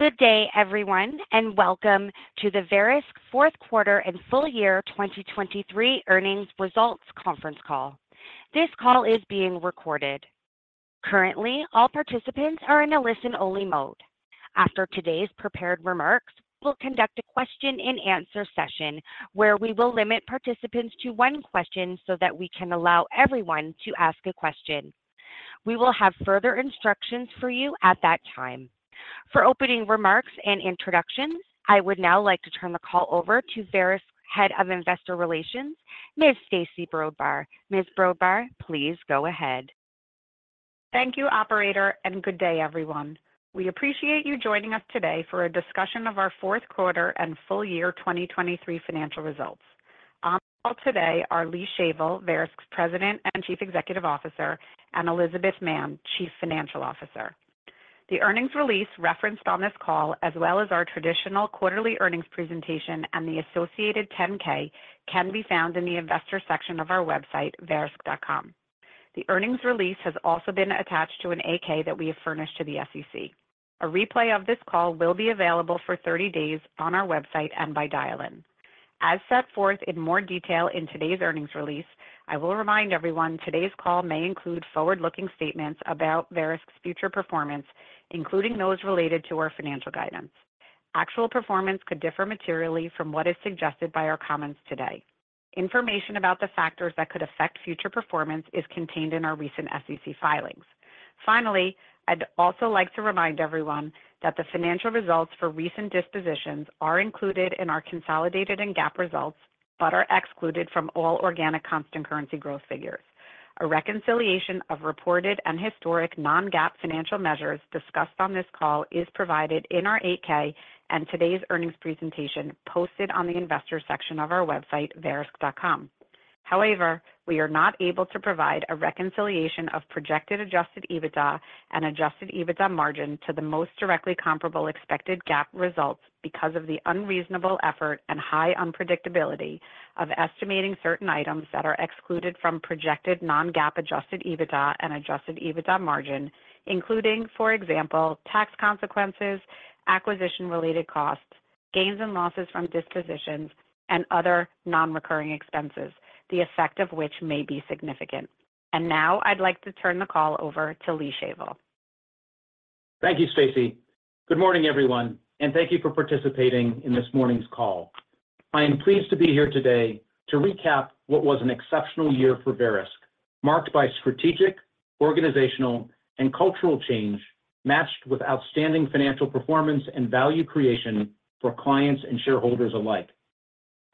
Good day, everyone, and welcome to the Verisk fourth quarter and full year 2023 earnings results conference call. This call is being recorded. Currently, all participants are in a listen-only mode. After today's prepared remarks, we'll conduct a question-and-answer session where we will limit participants to one question so that we can allow everyone to ask a question. We will have further instructions for you at that time. For opening remarks and introductions, I would now like to turn the call over to Verisk's Head of Investor Relations, Ms. Stacey Brodbar. Ms. Brodbar, please go ahead. Thank you, operator, and good day, everyone. We appreciate you joining us today for a discussion of our fourth quarter and full year 2023 financial results. On the call today are Lee Shavel, Verisk's President and Chief Executive Officer, and Elizabeth Mann, Chief Financial Officer. The earnings release referenced on this call, as well as our traditional quarterly earnings presentation and the associated 10-K, can be found in the investor section of our website, verisk.com. The earnings release has also been attached to an 8-K that we have furnished to the SEC. A replay of this call will be available for 30 days on our website and by dial-in. As set forth in more detail in today's earnings release, I will remind everyone today's call may include forward-looking statements about Verisk's future performance, including those related to our financial guidance. Actual performance could differ materially from what is suggested by our comments today. Information about the factors that could affect future performance is contained in our recent SEC filings. Finally, I'd also like to remind everyone that the financial results for recent dispositions are included in our consolidated and GAAP results but are excluded from all organic constant currency growth figures. A reconciliation of reported and historic non-GAAP financial measures discussed on this call is provided in our 8-K and today's earnings presentation posted on the investor section of our website, verisk.com. However, we are not able to provide a reconciliation of projected Adjusted EBITDA and Adjusted EBITDA margin to the most directly comparable expected GAAP results because of the unreasonable effort and high unpredictability of estimating certain items that are excluded from projected non-GAAP Adjusted EBITDA and Adjusted EBITDA margin, including, for example, tax consequences, acquisition-related costs, gains and losses from dispositions, and other non-recurring expenses, the effect of which may be significant. Now I'd like to turn the call over to Lee Shavel. Thank you, Stacey. Good morning, everyone, and thank you for participating in this morning's call. I am pleased to be here today to recap what was an exceptional year for Verisk, marked by strategic, organizational, and cultural change matched with outstanding financial performance and value creation for clients and shareholders alike.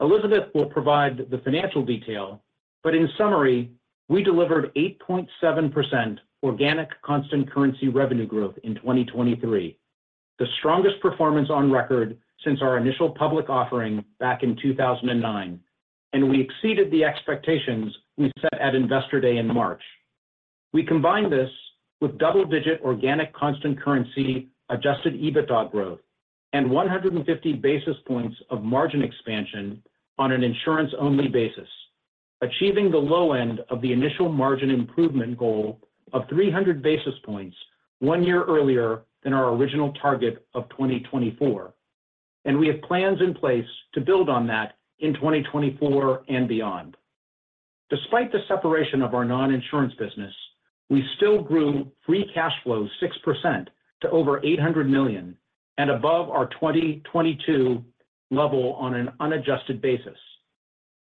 Elizabeth will provide the financial detail, but in summary, we delivered 8.7% organic constant currency revenue growth in 2023, the strongest performance on record since our initial public offering back in 2009, and we exceeded the expectations we set at investor day in March. We combined this with double-digit organic constant currency adjusted EBITDA growth and 150 basis points of margin expansion on an insurance-only basis, achieving the low end of the initial margin improvement goal of 300 basis points one year earlier than our original target of 2024, and we have plans in place to build on that in 2024 and beyond. Despite the separation of our non-insurance business, we still grew free cash flow 6% to over $800 million and above our 2022 level on an unadjusted basis.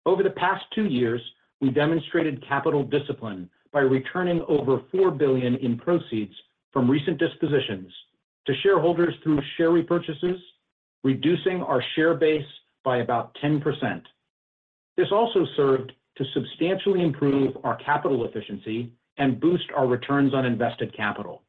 Over the past two years, we demonstrated capital discipline by returning over $4 billion in proceeds from recent dispositions to shareholders through share repurchases, reducing our share base by about 10%. This also served to substantially improve our capital efficiency and boost our returns on invested capital.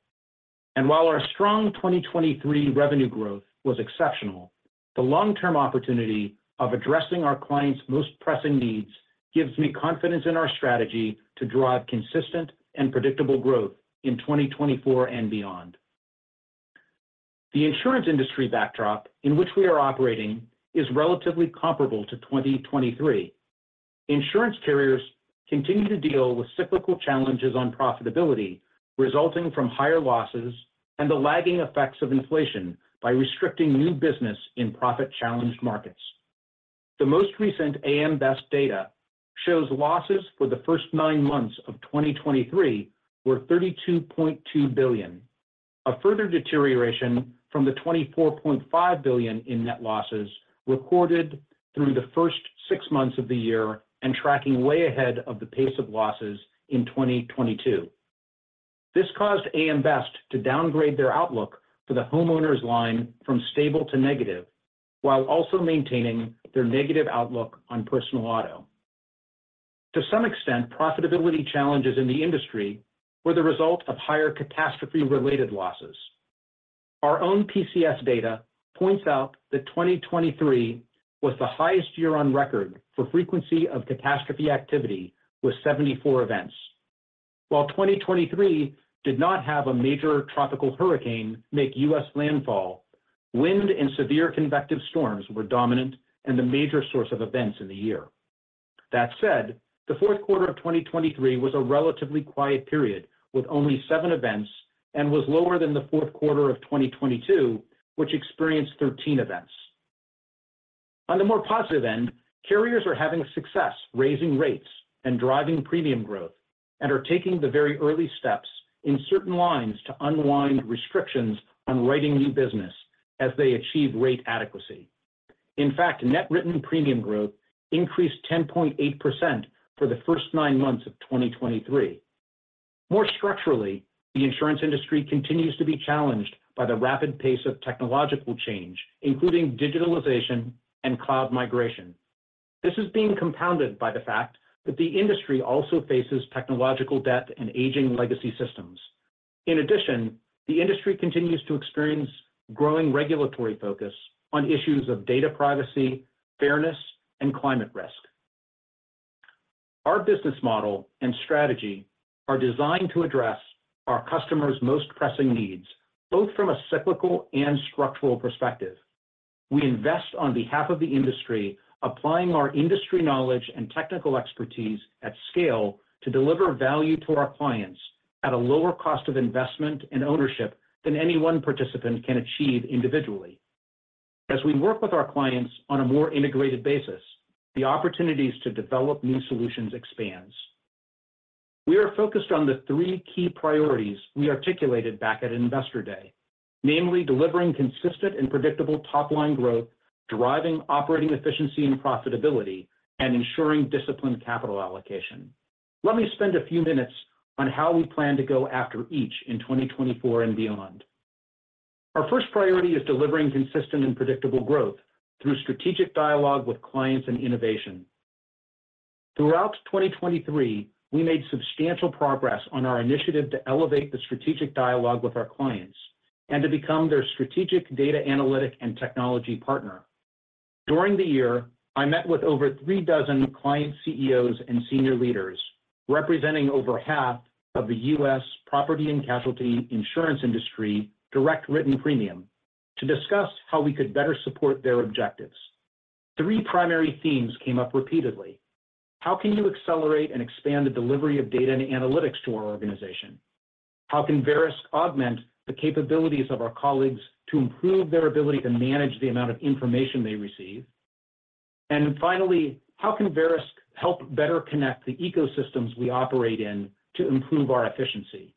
While our strong 2023 revenue growth was exceptional, the long-term opportunity of addressing our clients' most pressing needs gives me confidence in our strategy to drive consistent and predictable growth in 2024 and beyond. The insurance industry backdrop in which we are operating is relatively comparable to 2023. Insurance carriers continue to deal with cyclical challenges on profitability resulting from higher losses and the lagging effects of inflation by restricting new business in profit-challenged markets. The most recent AM Best data shows losses for the first nine months of 2023 were $32.2 billion, a further deterioration from the $24.5 billion in net losses recorded through the first six months of the year and tracking way ahead of the pace of losses in 2022. This caused AM Best to downgrade their outlook for the homeowners line from stable to negative while also maintaining their negative outlook on personal auto. To some extent, profitability challenges in the industry were the result of higher catastrophe-related losses. Our own PCS data points out that 2023 was the highest year on record for frequency of catastrophe activity with 74 events. While 2023 did not have a major tropical hurricane make U.S. landfall, wind and severe convective storms were dominant and the major source of events in the year. That said, the fourth quarter of 2023 was a relatively quiet period with only seven events and was lower than the fourth quarter of 2022, which experienced 13 events. On the more positive end, carriers are having success raising rates and driving premium growth and are taking the very early steps in certain lines to unwind restrictions on writing new business as they achieve rate adequacy. In fact, net written premium growth increased 10.8% for the first 9 months of 2023. More structurally, the insurance industry continues to be challenged by the rapid pace of technological change, including digitalization and cloud migration. This is being compounded by the fact that the industry also faces technological debt and aging legacy systems. In addition, the industry continues to experience growing regulatory focus on issues of data privacy, fairness, and climate risk. Our business model and strategy are designed to address our customers' most pressing needs both from a cyclical and structural perspective. We invest on behalf of the industry, applying our industry knowledge and technical expertise at scale to deliver value to our clients at a lower cost of investment and ownership than any one participant can achieve individually. As we work with our clients on a more integrated basis, the opportunities to develop new solutions expands. We are focused on the three key priorities we articulated back at investor day, namely delivering consistent and predictable top-line growth, driving operating efficiency and profitability, and ensuring disciplined capital allocation. Let me spend a few minutes on how we plan to go after each in 2024 and beyond. Our first priority is delivering consistent and predictable growth through strategic dialogue with clients and innovation. Throughout 2023, we made substantial progress on our initiative to elevate the strategic dialogue with our clients and to become their strategic data analytics and technology partner. During the year, I met with over three dozen client CEOs and senior leaders, representing over half of the U.S. property and casualty insurance industry direct written premium, to discuss how we could better support their objectives. Three primary themes came up repeatedly: how can you accelerate and expand the delivery of data and analytics to our organization? How can Verisk augment the capabilities of our colleagues to improve their ability to manage the amount of information they receive? And finally, how can Verisk help better connect the ecosystems we operate in to improve our efficiency?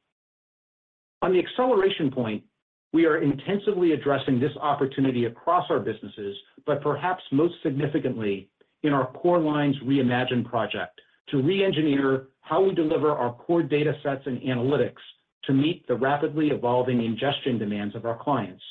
On the acceleration point, we are intensively addressing this opportunity across our businesses, but perhaps most significantly in our Core Lines Reimagine project to re-engineer how we deliver our core data sets and analytics to meet the rapidly evolving ingestion demands of our clients.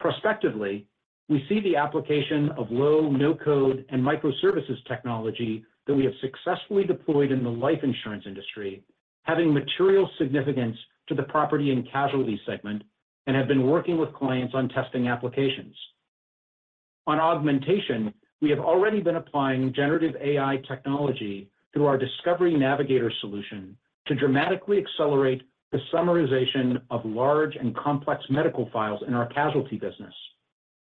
Prospectively, we see the application of low-code/no-code and microservices technology that we have successfully deployed in the life insurance industry, having material significance to the property and casualty segment, and have been working with clients on testing applications. On augmentation, we have already been applying Generative AI technology through our Discovery Navigator solution to dramatically accelerate the summarization of large and complex medical files in our casualty business.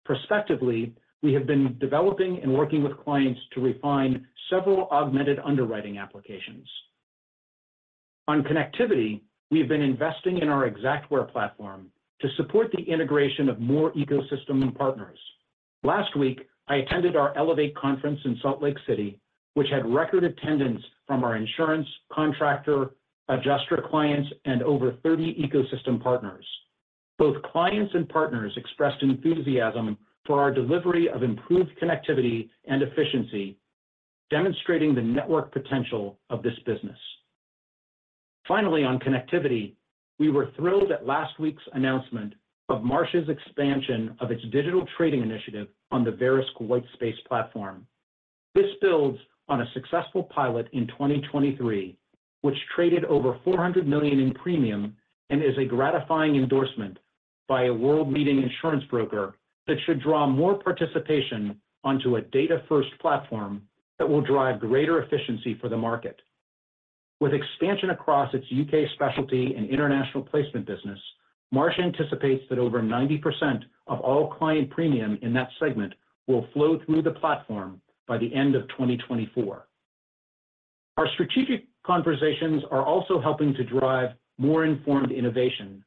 Prospectively, we have been developing and working with clients to refine several augmented underwriting applications. On connectivity, we have been investing in our Xactware platform to support the integration of more ecosystem partners. Last week, I attended our Elevate conference in Salt Lake City, which had record attendance from our insurance, contractor, adjuster clients, and over 30 ecosystem partners. Both clients and partners expressed enthusiasm for our delivery of improved connectivity and efficiency, demonstrating the network potential of this business. Finally, on connectivity, we were thrilled at last week's announcement of Marsh's expansion of its digital trading initiative on the Verisk Whitespace platform. This builds on a successful pilot in 2023, which traded over $400 million in premium and is a gratifying endorsement by a world-leading insurance broker that should draw more participation onto a data-first platform that will drive greater efficiency for the market. With expansion across its U.K. specialty and international placement business, Marsh anticipates that over 90% of all client premium in that segment will flow through the platform by the end of 2024. Our strategic conversations are also helping to drive more informed innovation.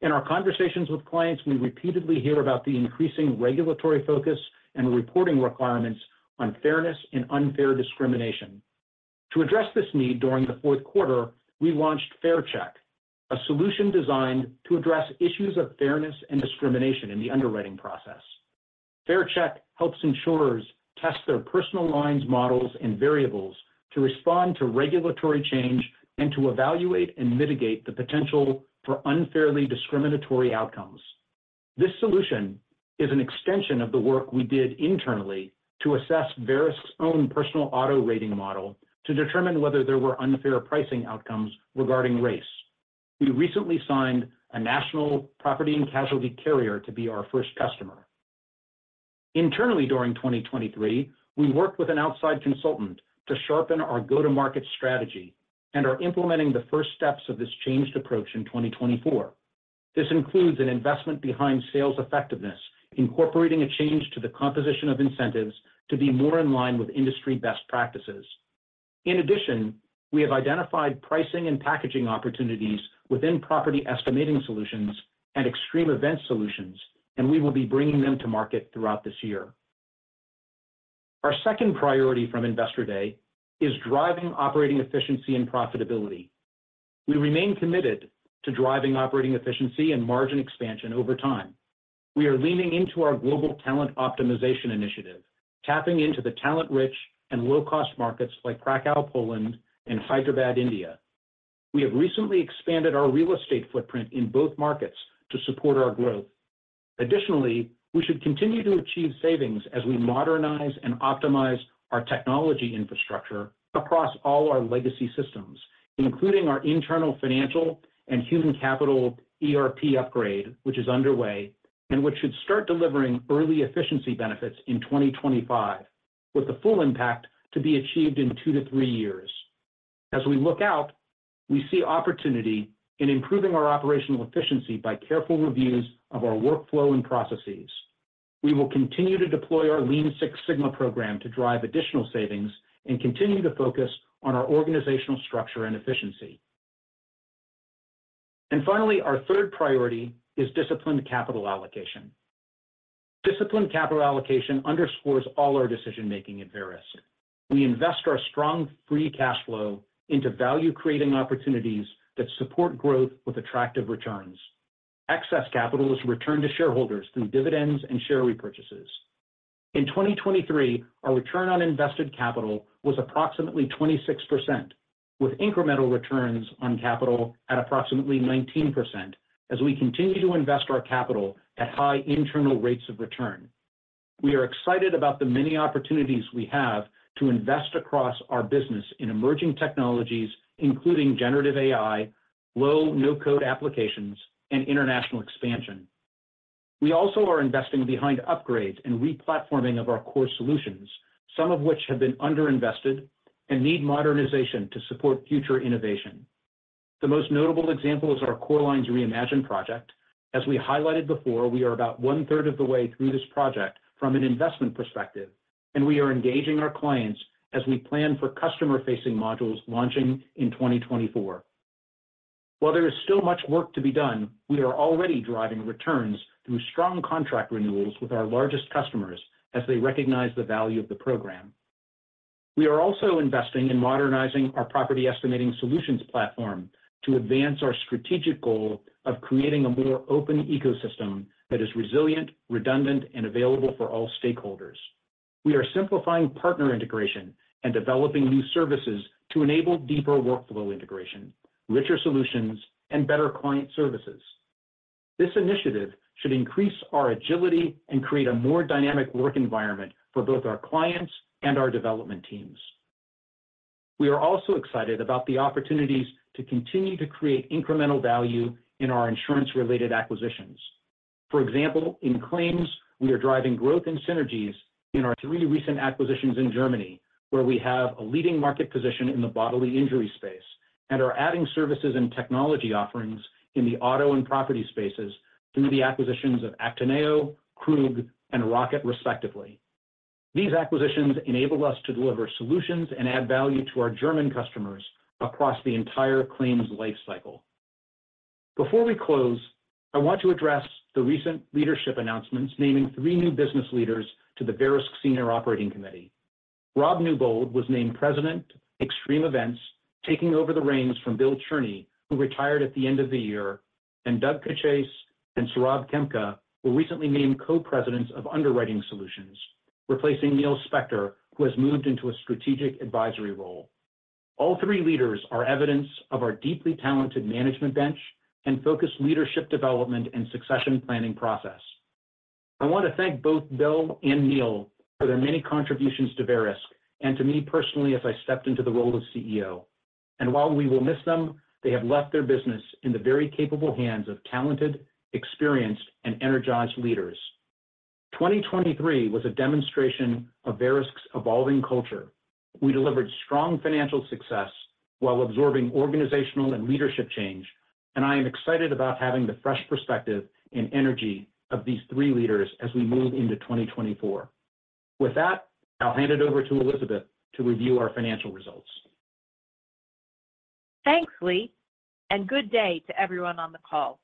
In our conversations with clients, we repeatedly hear about the increasing regulatory focus and reporting requirements on fairness and unfair discrimination. To address this need during the fourth quarter, we launched FairCheck, a solution designed to address issues of fairness and discrimination in the underwriting process. FairCheck helps insurers test their personal lines models and variables to respond to regulatory change and to evaluate and mitigate the potential for unfairly discriminatory outcomes. This solution is an extension of the work we did internally to assess Verisk's own personal auto rating model to determine whether there were unfair pricing outcomes regarding race. We recently signed a national property and casualty carrier to be our first customer. Internally during 2023, we worked with an outside consultant to sharpen our go-to-market strategy and are implementing the first steps of this changed approach in 2024. This includes an investment behind sales effectiveness, incorporating a change to the composition of incentives to be more in line with industry best practices. In addition, we have identified pricing and packaging opportunities within property estimating solutions and extreme events solutions, and we will be bringing them to market throughout this year. Our second priority from investor day is driving operating efficiency and profitability. We remain committed to driving operating efficiency and margin expansion over time. We are leaning into our global talent optimization initiative, tapping into the talent-rich and low-cost markets like Krakow, Poland, and Hyderabad, India. We have recently expanded our real estate footprint in both markets to support our growth. Additionally, we should continue to achieve savings as we modernize and optimize our technology infrastructure across all our legacy systems, including our internal financial and human capital ERP upgrade, which is underway and which should start delivering early efficiency benefits in 2025 with the full impact to be achieved in two to three years. As we look out, we see opportunity in improving our operational efficiency by careful reviews of our workflow and processes. We will continue to deploy our Lean Six Sigma program to drive additional savings and continue to focus on our organizational structure and efficiency. Finally, our third priority is disciplined capital allocation. Disciplined capital allocation underscores all our decision-making at Verisk. We invest our strong free cash flow into value-creating opportunities that support growth with attractive returns. Excess capital is returned to shareholders through dividends and share repurchases. In 2023, our return on invested capital was approximately 26%, with incremental returns on capital at approximately 19% as we continue to invest our capital at high internal rates of return. We are excited about the many opportunities we have to invest across our business in emerging technologies, including generative AI, low-code/no-code applications, and international expansion. We also are investing behind upgrades and replatforming of our core solutions, some of which have been underinvested and need modernization to support future innovation. The most notable example is our Core Lines Reimagine project. As we highlighted before, we are about one-third of the way through this project from an investment perspective, and we are engaging our clients as we plan for customer-facing modules launching in 2024. While there is still much work to be done, we are already driving returns through strong contract renewals with our largest customers as they recognize the value of the program. We are also investing in modernizing our property estimating solutions platform to advance our strategic goal of creating a more open ecosystem that is resilient, redundant, and available for all stakeholders. We are simplifying partner integration and developing new services to enable deeper workflow integration, richer solutions, and better client services. This initiative should increase our agility and create a more dynamic work environment for both our clients and our development teams. We are also excited about the opportunities to continue to create incremental value in our insurance-related acquisitions. For example, in claims, we are driving growth and synergies in our three recent acquisitions in Germany, where we have a leading market position in the bodily injury space and are adding services and technology offerings in the auto and property spaces through the acquisitions of Actineo, Krug, and Rocket, respectively. These acquisitions enable us to deliver solutions and add value to our German customers across the entire claims lifecycle. Before we close, I want to address the recent leadership announcements naming three new business leaders to the Verisk Senior Operating Committee. Rob Newbold was named President, Extreme Event Solutions, taking over the reins from Bill Churney, who retired at the end of the year, and Doug Caccese and Saurabh Khemka were recently named co-presidents of Underwriting Solutions, replacing Neil Spector, who has moved into a strategic advisor role. All three leaders are evidence of our deeply talented management bench and focused leadership development and succession planning process. I want to thank both Bill and Neil for their many contributions to Verisk and to me personally as I stepped into the role of CEO. And while we will miss them, they have left their business in the very capable hands of talented, experienced, and energized leaders. 2023 was a demonstration of Verisk's evolving culture. We delivered strong financial success while absorbing organizational and leadership change, and I am excited about having the fresh perspective and energy of these three leaders as we move into 2024. With that, I'll hand it over to Elizabeth to review our financial results. Thanks, Lee, and good day to everyone on the call.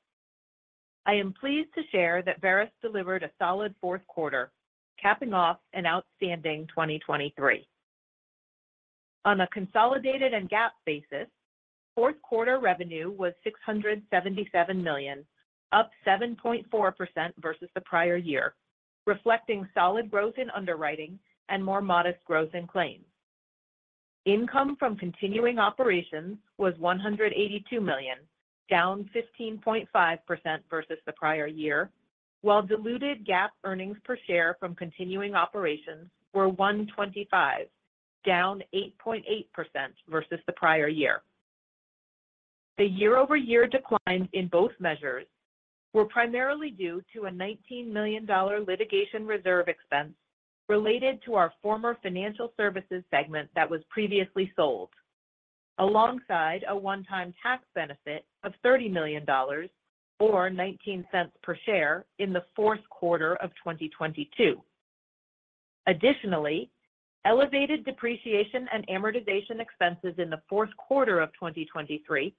I am pleased to share that Verisk delivered a solid fourth quarter, capping off an outstanding 2023. On a consolidated and GAAP basis, fourth quarter revenue was $677 million, up 7.4% versus the prior year, reflecting solid growth in underwriting and more modest growth in claims. Income from continuing operations was $182 million, down 15.5% versus the prior year, while diluted GAAP earnings per share from continuing operations were $1.25, down 8.8% versus the prior year. The year-over-year declines in both measures were primarily due to a $19 million litigation reserve expense related to our former financial services segment that was previously sold, alongside a one-time tax benefit of $30 million or $0.19 per share in the fourth quarter of 2022. Additionally, elevated depreciation and amortization expenses in the fourth quarter of 2023,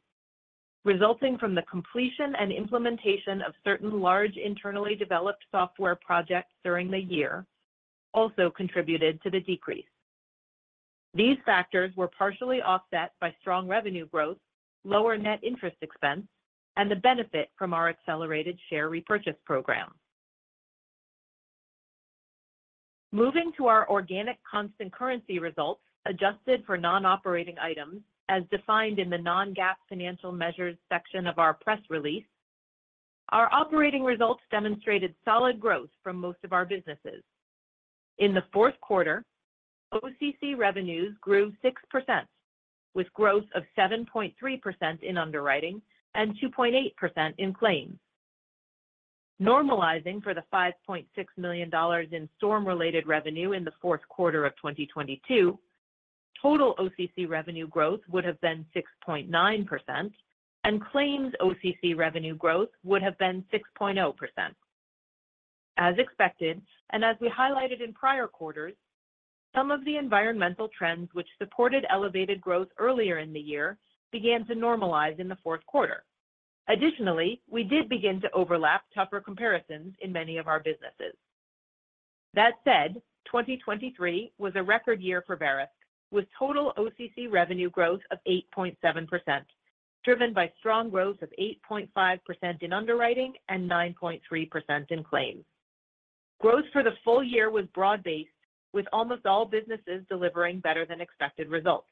resulting from the completion and implementation of certain large internally developed software projects during the year, also contributed to the decrease. These factors were partially offset by strong revenue growth, lower net interest expense, and the benefit from our accelerated share repurchase program. Moving to our organic constant currency results adjusted for non-operating items as defined in the non-GAAP financial measures section of our press release, our operating results demonstrated solid growth from most of our businesses. In the fourth quarter, OCC revenues grew 6%, with growth of 7.3% in underwriting and 2.8% in claims. Normalizing for the $5.6 million in storm-related revenue in the fourth quarter of 2022, total OCC revenue growth would have been 6.9%, and claims OCC revenue growth would have been 6.0%. As expected and as we highlighted in prior quarters, some of the environmental trends which supported elevated growth earlier in the year began to normalize in the fourth quarter. Additionally, we did begin to overlap tougher comparisons in many of our businesses. That said, 2023 was a record year for Verisk, with total OCC revenue growth of 8.7%, driven by strong growth of 8.5% in underwriting and 9.3% in claims. Growth for the full year was broad-based, with almost all businesses delivering better than expected results.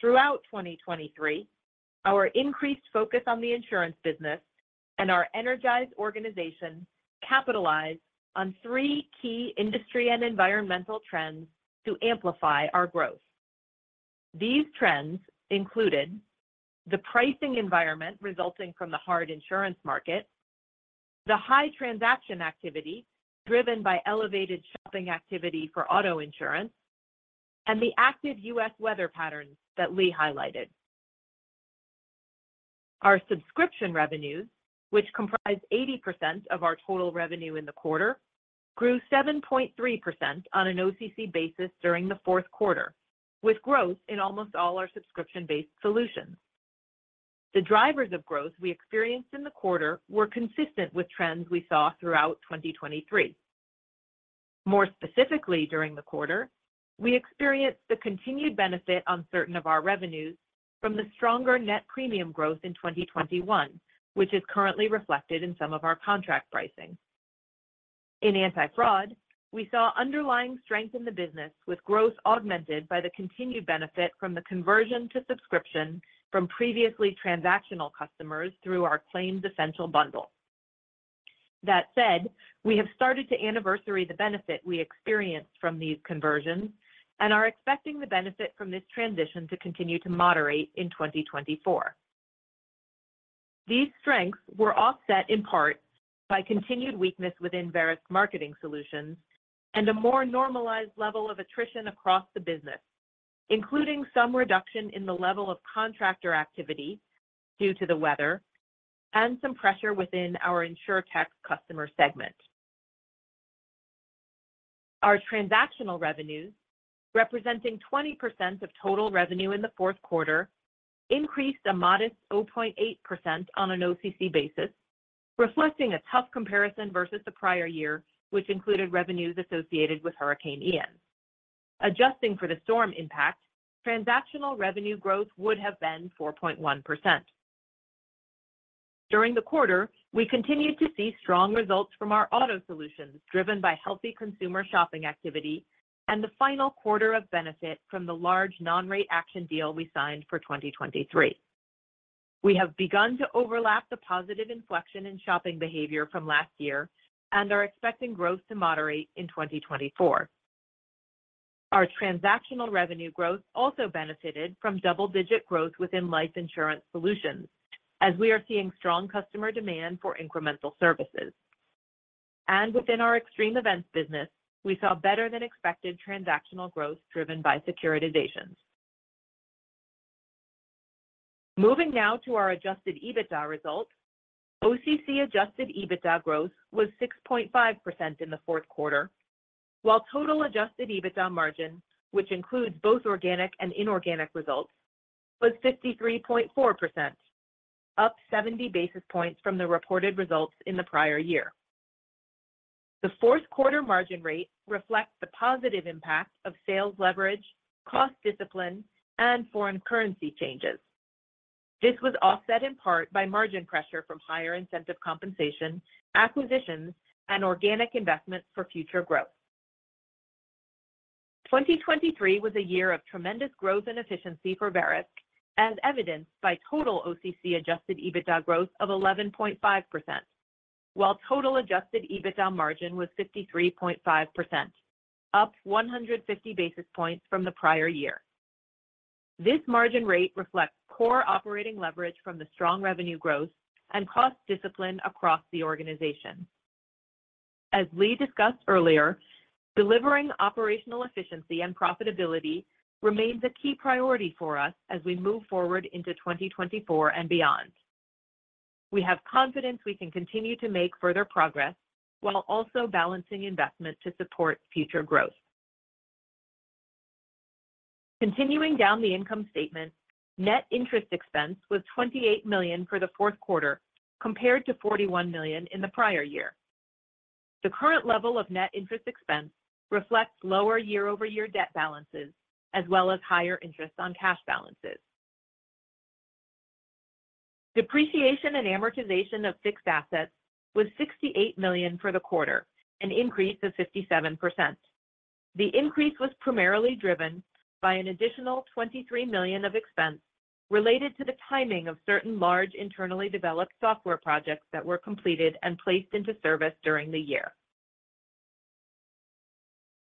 Throughout 2023, our increased focus on the insurance business and our energized organization capitalized on three key industry and environmental trends to amplify our growth. These trends included the pricing environment resulting from the hard insurance market, the high transaction activity driven by elevated shopping activity for auto insurance, and the active U.S. weather patterns that Lee highlighted. Our subscription revenues, which comprised 80% of our total revenue in the quarter, grew 7.3% on an OCC basis during the fourth quarter, with growth in almost all our subscription-based solutions. The drivers of growth we experienced in the quarter were consistent with trends we saw throughout 2023. More specifically, during the quarter, we experienced the continued benefit on certain of our revenues from the stronger net premium growth in 2021, which is currently reflected in some of our contract pricing. In anti-fraud, we saw underlying strength in the business with growth augmented by the continued benefit from the conversion to subscription from previously transactional customers through our Claims Essential Bundle. That said, we have started to anniversary the benefit we experienced from these conversions and are expecting the benefit from this transition to continue to moderate in 2024. These strengths were offset in part by continued weakness within Verisk Marketing Solutions and a more normalized level of attrition across the business, including some reduction in the level of contractor activity due to the weather and some pressure within our insurtech customer segment. Our transactional revenues, representing 20% of total revenue in the fourth quarter, increased a modest 0.8% on an OCC basis, reflecting a tough comparison versus the prior year, which included revenues associated with Hurricane Ian. Adjusting for the storm impact, transactional revenue growth would have been 4.1%. During the quarter, we continued to see strong results from our auto solutions driven by healthy consumer shopping activity and the final quarter of benefit from the large non-rate action deal we signed for 2023. We have begun to overlap the positive inflection in shopping behavior from last year and are expecting growth to moderate in 2024. Our transactional revenue growth also benefited from double-digit growth within life insurance solutions as we are seeing strong customer demand for incremental services. Within our extreme events business, we saw better than expected transactional growth driven by securitizations. Moving now to our adjusted EBITDA results, OCC adjusted EBITDA growth was 6.5% in the fourth quarter, while total adjusted EBITDA margin, which includes both organic and inorganic results, was 53.4%, up 70 basis points from the reported results in the prior year. The fourth quarter margin rate reflects the positive impact of sales leverage, cost discipline, and foreign currency changes. This was offset in part by margin pressure from higher incentive compensation, acquisitions, and organic investment for future growth. 2023 was a year of tremendous growth and efficiency for Verisk, as evidenced by total OCC adjusted EBITDA growth of 11.5%, while total adjusted EBITDA margin was 53.5%, up 150 basis points from the prior year. This margin rate reflects core operating leverage from the strong revenue growth and cost discipline across the organization. As Lee discussed earlier, delivering operational efficiency and profitability remains a key priority for us as we move forward into 2024 and beyond. We have confidence we can continue to make further progress while also balancing investment to support future growth. Continuing down the income statement, net interest expense was $28 million for the fourth quarter compared to $41 million in the prior year. The current level of net interest expense reflects lower year-over-year debt balances as well as higher interest on cash balances. Depreciation and amortization of fixed assets was $68 million for the quarter, an increase of 57%. The increase was primarily driven by an additional $23 million of expense related to the timing of certain large internally developed software projects that were completed and placed into service during the year.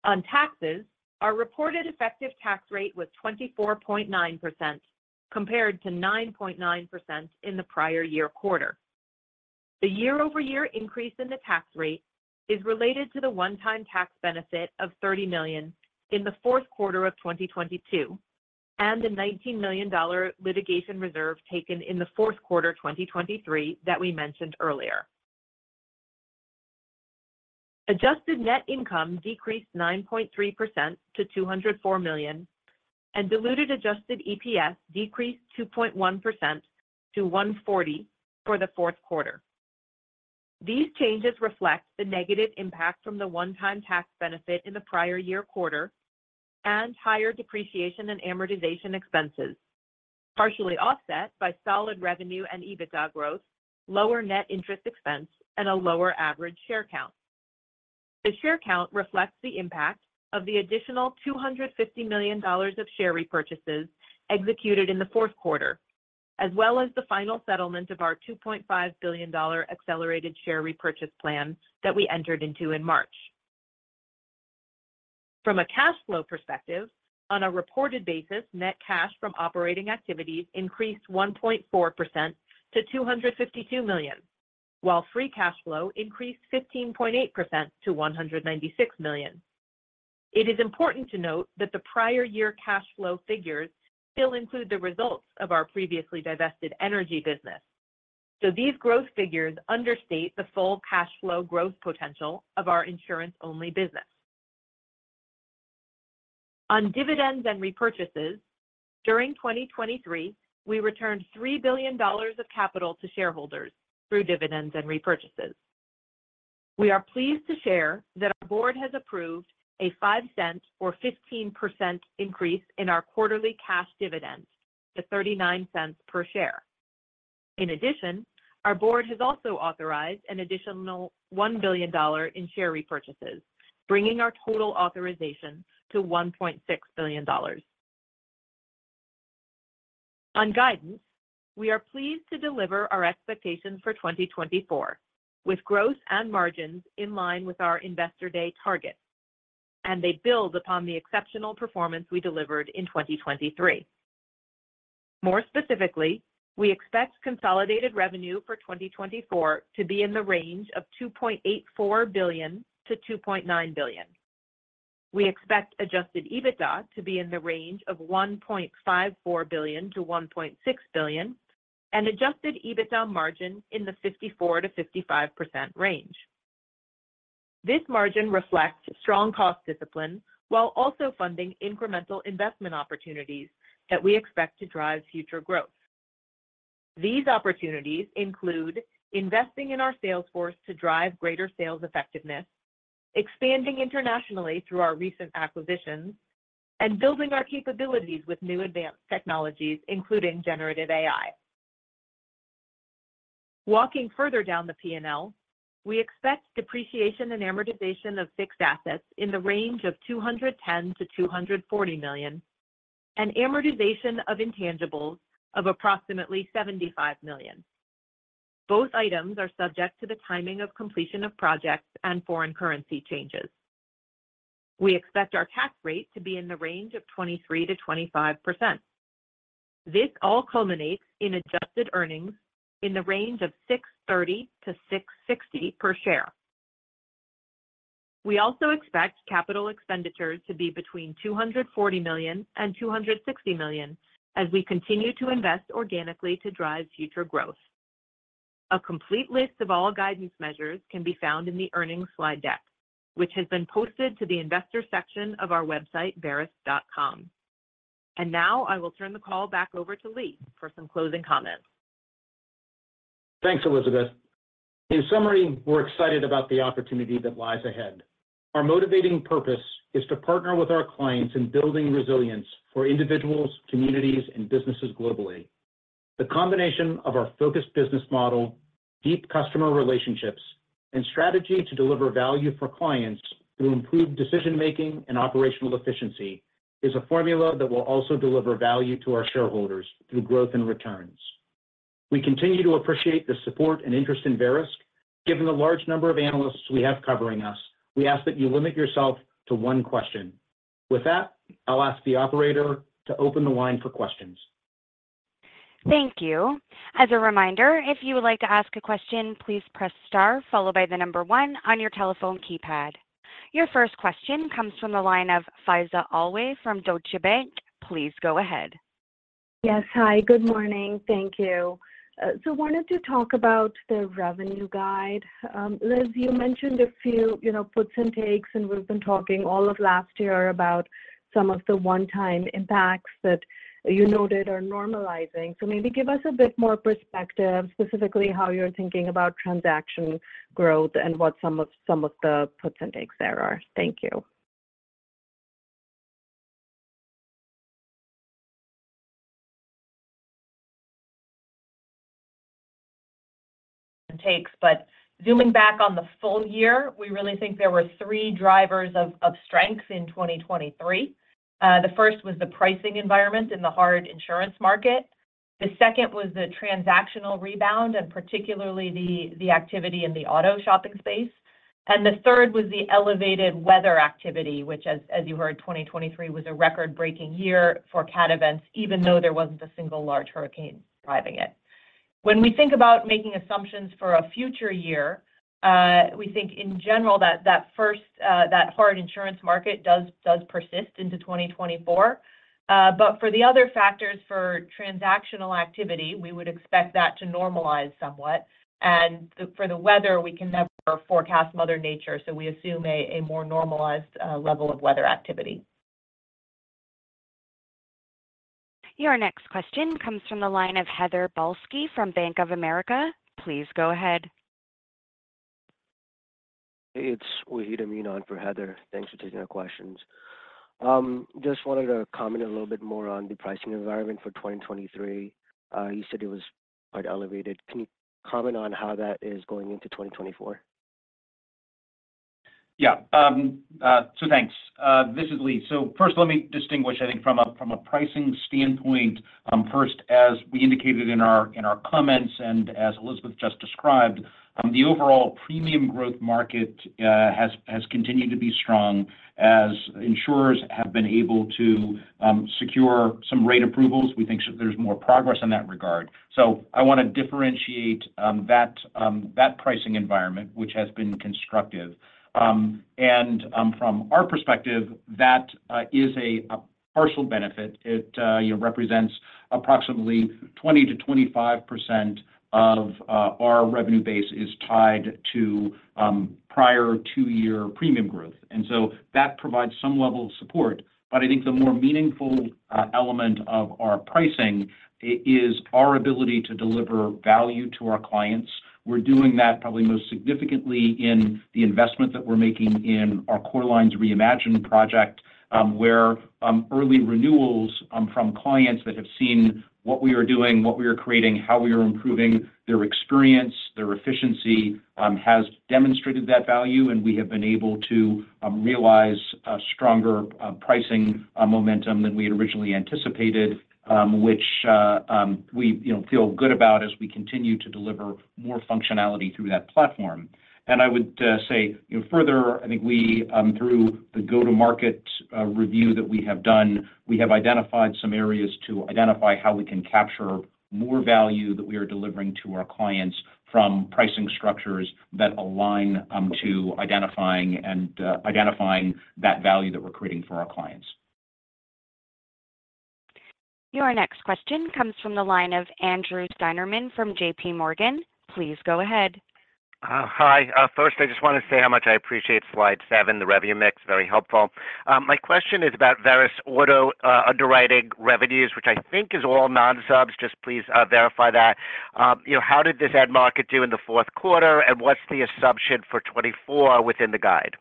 On taxes, our reported effective tax rate was 24.9% compared to 9.9% in the prior year quarter. The year-over-year increase in the tax rate is related to the one-time tax benefit of $30 million in the fourth quarter of 2022 and the $19 million litigation reserve taken in the fourth quarter 2023 that we mentioned earlier. Adjusted net income decreased 9.3% to $204 million, and diluted adjusted EPS decreased 2.1% to $140 million for the fourth quarter. These changes reflect the negative impact from the one-time tax benefit in the prior year quarter and higher depreciation and amortization expenses, partially offset by solid revenue and EBITDA growth, lower net interest expense, and a lower average share count. The share count reflects the impact of the additional $250 million of share repurchases executed in the fourth quarter, as well as the final settlement of our $2.5 billion accelerated share repurchase plan that we entered into in March. From a cash flow perspective, on a reported basis, net cash from operating activities increased 1.4% to $252 million, while free cash flow increased 15.8% to $196 million. It is important to note that the prior year cash flow figures still include the results of our previously divested energy business, so these growth figures understate the full cash flow growth potential of our insurance-only business. On dividends and repurchases, during 2023, we returned $3 billion of capital to shareholders through dividends and repurchases. We are pleased to share that our board has approved a $0.05 or 15% increase in our quarterly cash dividend to $0.39 per share. In addition, our board has also authorized an additional $1 billion in share repurchases, bringing our total authorization to $1.6 billion. On guidance, we are pleased to deliver our expectations for 2024 with growth and margins in line with our Investor Day targets, and they build upon the exceptional performance we delivered in 2023. More specifically, we expect consolidated revenue for 2024 to be in the range of $2.84 billion-$2.9 billion. We expect adjusted EBITDA to be in the range of $1.54 billion-$1.6 billion, and adjusted EBITDA margin in the 54%-55% range. This margin reflects strong cost discipline while also funding incremental investment opportunities that we expect to drive future growth. These opportunities include investing in our sales force to drive greater sales effectiveness, expanding internationally through our recent acquisitions, and building our capabilities with new advanced technologies, including generative AI. Walking further down the P&L, we expect depreciation and amortization of fixed assets in the range of $210 million-$240 million, and amortization of intangibles of approximately $75 million. Both items are subject to the timing of completion of projects and foreign currency changes. We expect our tax rate to be in the range of 23%-25%. This all culminates in adjusted earnings in the range of $630 million-$660 million per share. We also expect capital expenditures to be between $240 million and $260 million as we continue to invest organically to drive future growth. A complete list of all guidance measures can be found in the earnings slide deck, which has been posted to the investor section of our website, verisk.com. Now I will turn the call back over to Lee for some closing comments. Thanks, Elizabeth. In summary, we're excited about the opportunity that lies ahead. Our motivating purpose is to partner with our clients in building resilience for individuals, communities, and businesses globally. The combination of our focused business model, deep customer relationships, and strategy to deliver value for clients through improved decision-making and operational efficiency is a formula that will also deliver value to our shareholders through growth and returns. We continue to appreciate the support and interest in Verisk. Given the large number of analysts we have covering us, we ask that you limit yourself to one question. With that, I'll ask the operator to open the line for questions. Thank you. As a reminder, if you would like to ask a question, please press star followed by the number one on your telephone keypad. Your first question comes from the line of Faiza Alwy from Deutsche Bank. Please go ahead. Yes. Hi. Good morning. Thank you. So I wanted to talk about the revenue guide. Liz, you mentioned a few puts and takes, and we've been talking all of last year about some of the one-time impacts that you noted are normalizing. So maybe give us a bit more perspective, specifically how you're thinking about transaction growth and what some of the puts and takes there are. Thank you. But zooming back on the full year, we really think there were three drivers of strength in 2023. The first was the pricing environment in the hard insurance market. The second was the transactional rebound, and particularly the activity in the auto shopping space. And the third was the elevated weather activity, which, as you heard, 2023 was a record-breaking year for cat events, even though there wasn't a single large hurricane driving it. When we think about making assumptions for a future year, we think in general that hard insurance market does persist into 2024. But for the other factors for transactional activity, we would expect that to normalize somewhat. And for the weather, we can never forecast Mother Nature, so we assume a more normalized level of weather activity. Your next question comes from the line of Heather Balsky from Bank of America. Please go ahead. Hey, it's Wahid Amin on for Heather. Thanks for taking our questions. Just wanted to comment a little bit more on the pricing environment for 2023. You said it was quite elevated. Can you comment on how that is going into 2024? Yeah. So thanks. This is Lee. So first, let me distinguish, I think, from a pricing standpoint. First, as we indicated in our comments and as Elizabeth just described, the overall premium growth market has continued to be strong as insurers have been able to secure some rate approvals. We think there's more progress in that regard. So I want to differentiate that pricing environment, which has been constructive. And from our perspective, that is a partial benefit. It represents approximately 20%-25% of our revenue base is tied to prior two-year premium growth. And so that provides some level of support. But I think the more meaningful element of our pricing is our ability to deliver value to our clients. We're doing that probably most significantly in the investment that we're making in our Core Lines Reimagine project, where early renewals from clients that have seen what we are doing, what we are creating, how we are improving their experience, their efficiency has demonstrated that value, and we have been able to realize a stronger pricing momentum than we had originally anticipated, which we feel good about as we continue to deliver more functionality through that platform. And I would say further, I think through the go-to-market review that we have done, we have identified some areas to identify how we can capture more value that we are delivering to our clients from pricing structures that align to identifying that value that we're creating for our clients. Your next question comes from the line of Andrew Steinerman from JPMorgan. Please go ahead. Hi. First, I just want to say how much I appreciate slide seven, the revenue mix, very helpful. My question is about Verisk auto underwriting revenues, which I think is all non-subs. Just please verify that. How did this auto market do in the fourth quarter, and what's the sub guide for 2024 within the guide?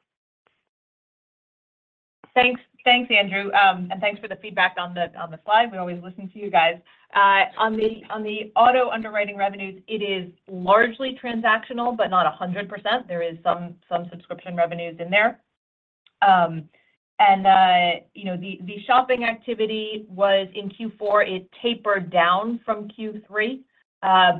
Thanks, Andrew. And thanks for the feedback on the slide. We always listen to you guys. On the auto underwriting revenues, it is largely transactional but not 100%. There is some subscription revenues in there. And the shopping activity was in Q4. It tapered down from Q3,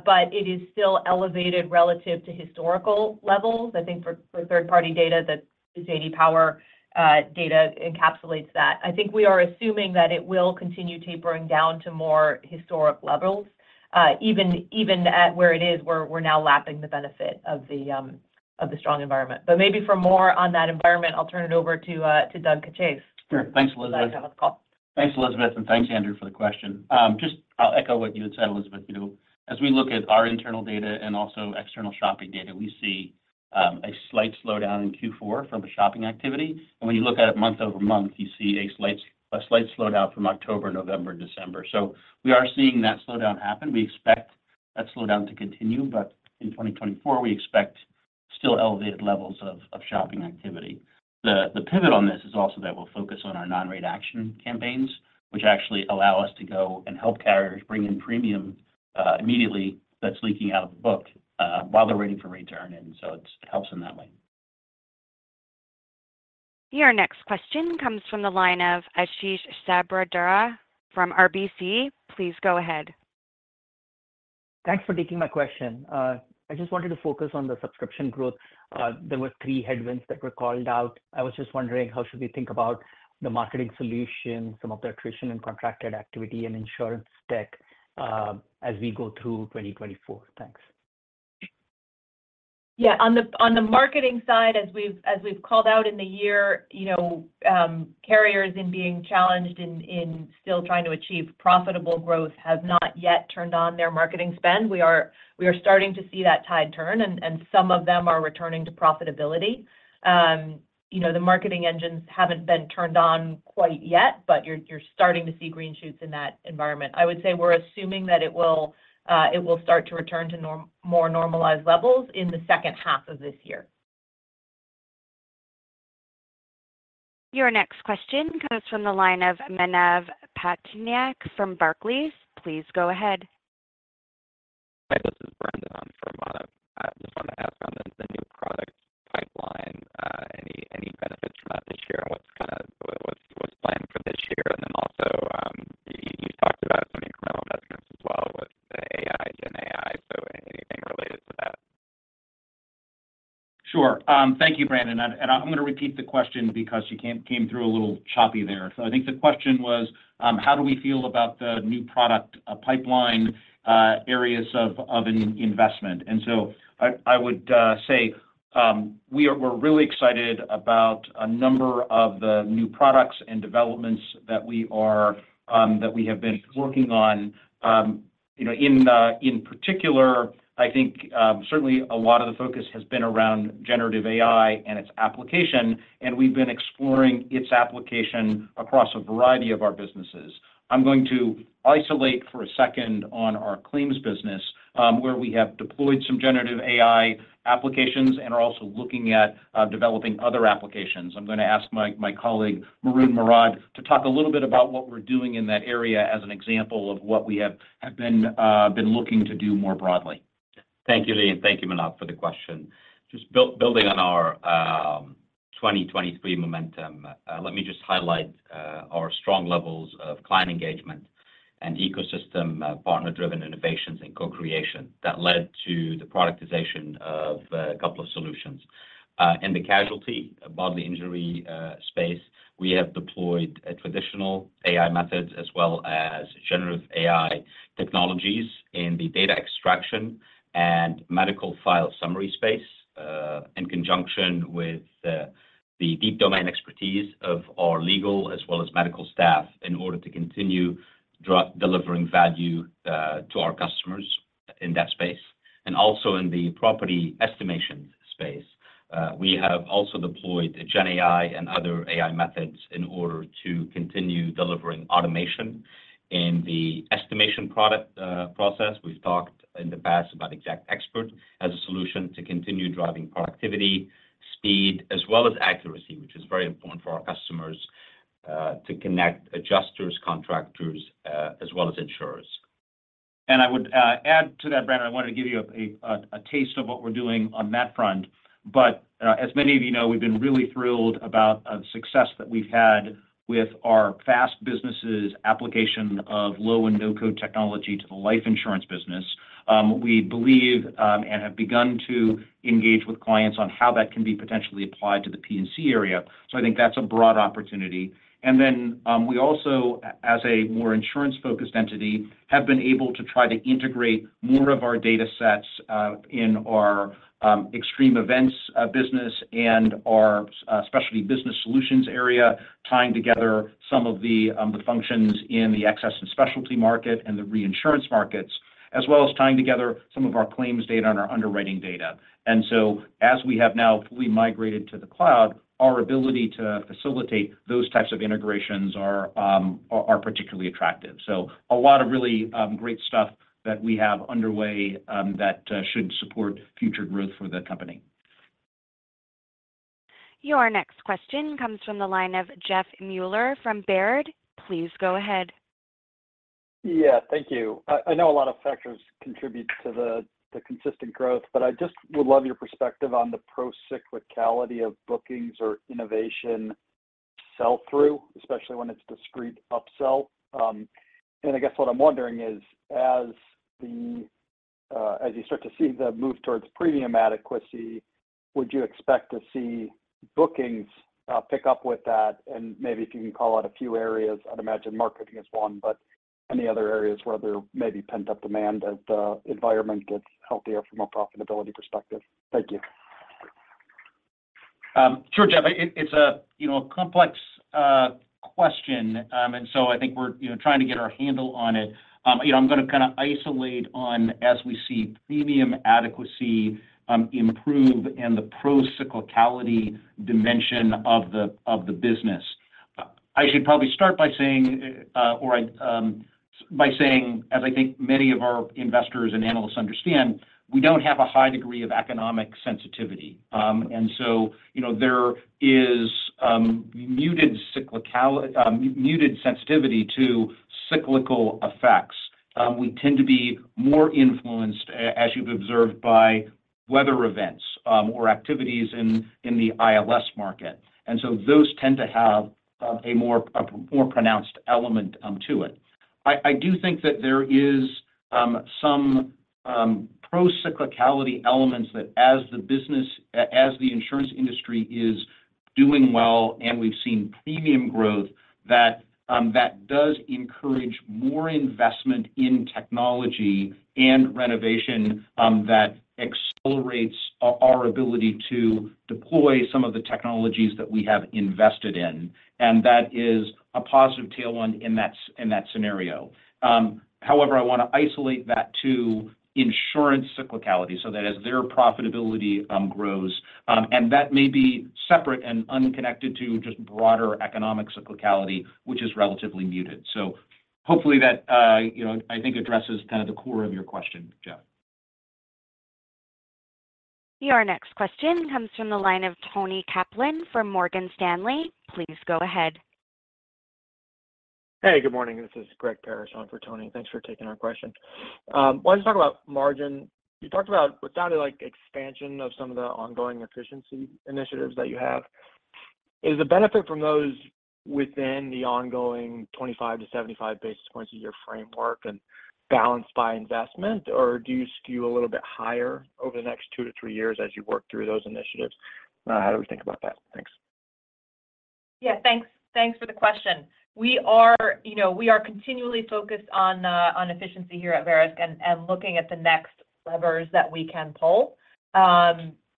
but it is still elevated relative to historical levels. I think for third-party data, the JD Power data encapsulates that. I think we are assuming that it will continue tapering down to more historic levels, even at where it is where we're now lapping the benefit of the strong environment. But maybe for more on that environment, I'll turn it over to Doug Caccese. Sure. Thanks, Elizabeth. Glad to have a call. Thanks, Elizabeth, and thanks, Andrew, for the question. Just I'll echo what you had said, Elizabeth. As we look at our internal data and also external shopping data, we see a slight slowdown in Q4 from the shopping activity. And when you look at it month-over-month, you see a slight slowdown from October, November, December. So we are seeing that slowdown happen. We expect that slowdown to continue, but in 2024, we expect still elevated levels of shopping activity. The pivot on this is also that we'll focus on our non-rate action campaigns, which actually allow us to go and help carriers bring in premium immediately that's leaking out of the book while they're waiting for rate to earn in. So it helps in that way. Your next question comes from the line of Ashish Sabadra from RBC. Please go ahead. Thanks for taking my question. I just wanted to focus on the subscription growth. There were three headwinds that were called out. I was just wondering, how should we think about the marketing solution, some of the attrition and contracted activity, and insurance tech as we go through 2024? Thanks. Yeah. On the marketing side, as we've called out in the year, carriers in being challenged in still trying to achieve profitable growth have not yet turned on their marketing spend. We are starting to see that tide turn, and some of them are returning to profitability. The marketing engines haven't been turned on quite yet, but you're starting to see green shoots in that environment. I would say we're assuming that it will start to return to more normalized levels in the second half of this year. Your next question comes from the line of Manav Patnaik from Barclays. Please go ahead. Hi. This is Brandon for Patnaik. I just wanted to ask on the new product pipeline, any benefits from that this year, and what's planned for this year. And then also, you talked about some incremental investments as well with the AI. Gen AI, so anything related to that? Sure. Thank you, Brandon. And I'm going to repeat the question because you came through a little choppy there. So I think the question was, how do we feel about the new product pipeline areas of investment? And so I would say we're really excited about a number of the new products and developments that we have been working on. In particular, I think certainly a lot of the focus has been around Generative AI and its application, and we've been exploring its application across a variety of our businesses. I'm going to isolate for a second on our claims business, where we have deployed some Generative AI applications and are also looking at developing other applications. I'm going to ask my colleague, Maroun Mourad, to talk a little bit about what we're doing in that area as an example of what we have been looking to do more broadly. Thank you, Lee, and thank you, Manav, for the question. Just building on our 2023 momentum, let me just highlight our strong levels of client engagement and ecosystem partner-driven innovations and co-creation that led to the productization of a couple of solutions. In the casualty, bodily injury space, we have deployed traditional AI methods as well as generative AI technologies in the data extraction and medical file summary space in conjunction with the deep domain expertise of our legal as well as medical staff in order to continue delivering value to our customers in that space. And also in the property estimations space, we have also deployed Gen AI and other AI methods in order to continue delivering automation in the estimation product process. We've talked in the past about XactXpert as a solution to continue driving productivity, speed, as well as accuracy, which is very important for our customers to connect adjusters, contractors, as well as insurers. I would add to that, Brandon. I wanted to give you a taste of what we're doing on that front. As many of you know, we've been really thrilled about the success that we've had with our FAST businesses' application of low-code/no-code technology to the life insurance business. We believe and have begun to engage with clients on how that can be potentially applied to the P&C area. I think that's a broad opportunity. Then we also, as a more insurance-focused entity, have been able to try to integrate more of our datasets in our extreme events business and our specialty business solutions area, tying together some of the functions in the excess and specialty market and the reinsurance markets, as well as tying together some of our claims data and our underwriting data. As we have now fully migrated to the cloud, our ability to facilitate those types of integrations are particularly attractive. A lot of really great stuff that we have underway that should support future growth for the company. Your next question comes from the line of Jeff Mueller from Baird. Please go ahead. Yeah. Thank you. I know a lot of factors contribute to the consistent growth, but I just would love your perspective on the procyclicality of bookings or innovation sell-through, especially when it's discrete upsell. And I guess what I'm wondering is, as you start to see the move towards premium adequacy, would you expect to see bookings pick up with that? And maybe if you can call out a few areas, I'd imagine marketing is one, but any other areas where there may be pent-up demand as the environment gets healthier from a profitability perspective? Thank you. Sure, Jeff. It's a complex question, and so I think we're trying to get our handle on it. I'm going to kind of isolate on as we see premium adequacy improve in the procyclicality dimension of the business. I should probably start by saying or by saying, as I think many of our investors and analysts understand, we don't have a high degree of economic sensitivity. And so there is muted sensitivity to cyclical effects. We tend to be more influenced, as you've observed, by weather events or activities in the ILS market. And so those tend to have a more pronounced element to it. I do think that there are some procyclicality elements that, as the insurance industry is doing well and we've seen premium growth, that does encourage more investment in technology and renovation that accelerates our ability to deploy some of the technologies that we have invested in. And that is a positive tailwind in that scenario. However, I want to isolate that to insurance cyclicality so that as their profitability grows and that may be separate and unconnected to just broader economic cyclicality, which is relatively muted. So hopefully, that, I think, addresses kind of the core of your question, Jeff. Your next question comes from the line of Toni Kaplan from Morgan Stanley. Please go ahead. Hey, good morning. This is Greg Parrish on for Tony. Thanks for taking our question. I wanted to talk about margin. You talked about, sounded like expansion of some of the ongoing efficiency initiatives that you have. Is the benefit from those within the ongoing 25-75 basis points a year framework and balanced by investment, or do you skew a little bit higher over the next two to three years as you work through those initiatives? How do we think about that? Thanks. Yeah. Thanks for the question. We are continually focused on efficiency here at Verisk and looking at the next levers that we can pull.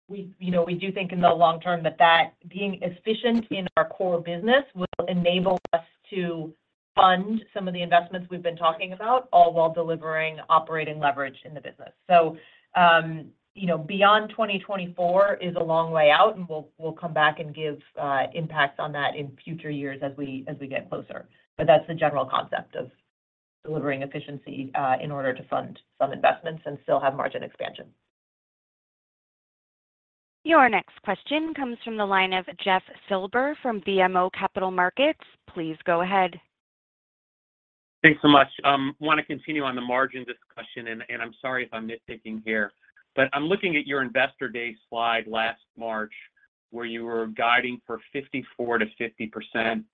We do think in the long term that being efficient in our core business will enable us to fund some of the investments we've been talking about all while delivering operating leverage in the business. So beyond 2024 is a long way out, and we'll come back and give impacts on that in future years as we get closer. But that's the general concept of delivering efficiency in order to fund some investments and still have margin expansion. Your next question comes from the line of Jeff Silber from BMO Capital Markets. Please go ahead. Thanks so much. I want to continue on the margin discussion, and I'm sorry if I'm nitpicking here. But I'm looking at your Investor Day slide last March where you were guiding for 54%-56%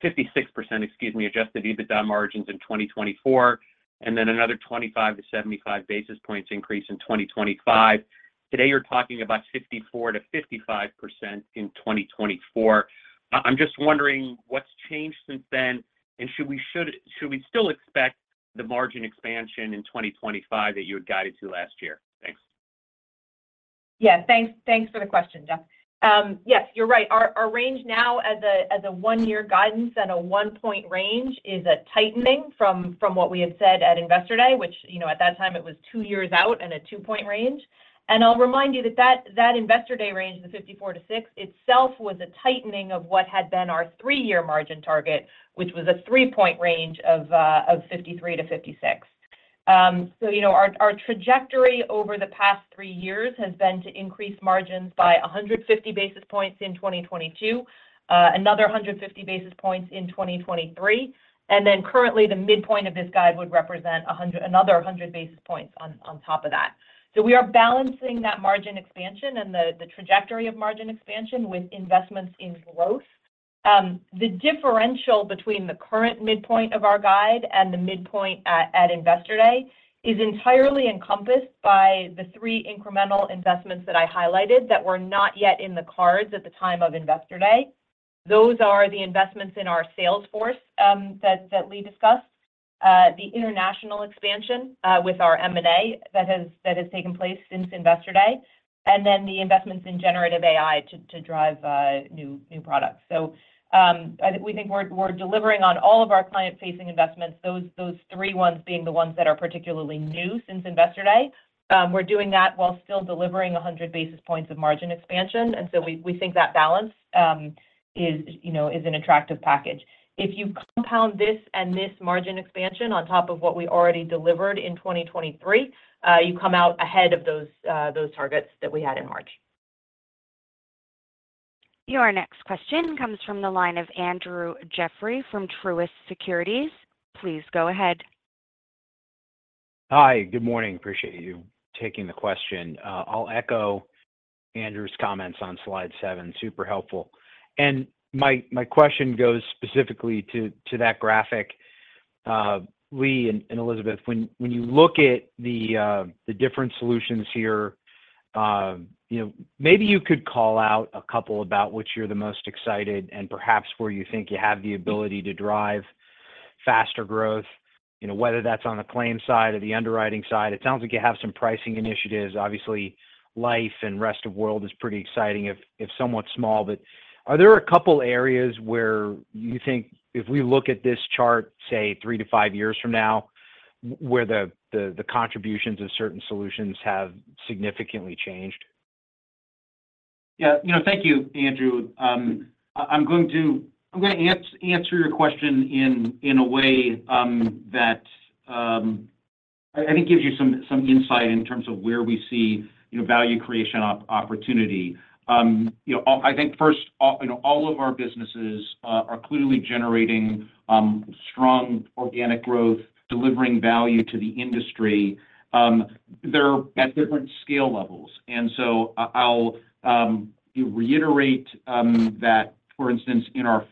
Adjusted EBITDA margins in 2024, and then another 25-75 basis points increase in 2025. Today, you're talking about 54%-55% in 2024. I'm just wondering what's changed since then, and should we still expect the margin expansion in 2025 that you had guided to last year? Thanks. Yeah. Thanks for the question, Jeff. Yes, you're right. Our range now as a one-year guidance and a one-point range is a tightening from what we had said at Investor Day, which at that time, it was two years out and a two-point range. And I'll remind you that that Investor Day range, the 54%-56%, itself was a tightening of what had been our three-year margin target, which was a three-point range of 53%-56%. So our trajectory over the past three years has been to increase margins by 150 basis points in 2022, another 150 basis points in 2023, and then currently, the midpoint of this guide would represent another 100 basis points on top of that. So we are balancing that margin expansion and the trajectory of margin expansion with investments in growth. The differential between the current midpoint of our guide and the midpoint at Investor Day is entirely encompassed by the three incremental investments that I highlighted that were not yet in the cards at the time of Investor Day. Those are the investments in our sales force that Lee discussed, the international expansion with our M&A that has taken place since Investor Day, and then the investments in Generative AI to drive new products. So we think we're delivering on all of our client-facing investments, those three ones being the ones that are particularly new since Investor Day. We're doing that while still delivering 100 basis points of margin expansion. And so we think that balance is an attractive package. If you compound this and this margin expansion on top of what we already delivered in 2023, you come out ahead of those targets that we had in March. Your next question comes from the line of Andrew Jeffrey from Truist Securities. Please go ahead. Hi. Good morning. Appreciate you taking the question. I'll echo Andrew's comments on slide seven. Super helpful. And my question goes specifically to that graphic. Lee and Elizabeth, when you look at the different solutions here, maybe you could call out a couple about which you're the most excited and perhaps where you think you have the ability to drive faster growth, whether that's on the claim side or the underwriting side. It sounds like you have some pricing initiatives. Obviously, life and rest of the world is pretty exciting, if somewhat small. But are there a couple areas where you think if we look at this chart, say, three to five years from now, where the contributions of certain solutions have significantly changed? Yeah. Thank you, Andrew. I'm going to answer your question in a way that I think gives you some insight in terms of where we see value creation opportunity. I think first, all of our businesses are clearly generating strong organic growth, delivering value to the industry. They're at different scale levels. And so I'll reiterate that, for instance, in our